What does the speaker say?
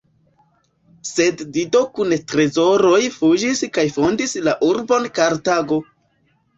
Sed Dido kun trezoroj fuĝis kaj fondis la urbon Kartago.